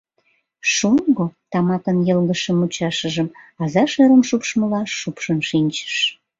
Шоҥго тамакын йылгыжше мучашыжым аза шӧрым шупшмыла шупшын шинчыш.